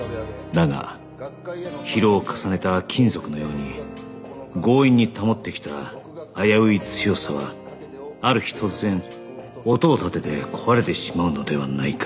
だが疲労を重ねた金属のように強引に保ってきた危うい強さはある日突然音を立てて壊れてしまうのではないか